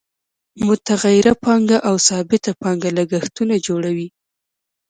متغیره پانګه او ثابته پانګه لګښتونه جوړوي